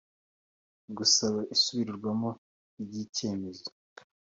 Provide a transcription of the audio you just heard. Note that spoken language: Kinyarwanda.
Gusaba isubirwamo ry’ icyemezo